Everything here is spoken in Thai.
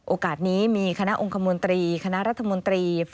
โอกาสนี้มีคณะองคมนตรีคณะรัฐมนตรี